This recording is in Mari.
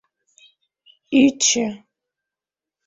Ӱчӧ